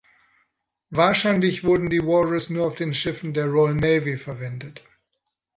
Wahrscheinlich wurden die Walrus nur auf den Schiffen der Royal Navy verwendet.